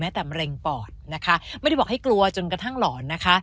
แต่มะเร็งปอดนะคะไม่ได้บอกให้กลัวจนกระทั่งหลอนนะคะ